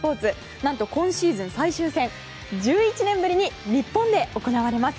なんと今シーズン最終戦１１年ぶりに日本で行われます。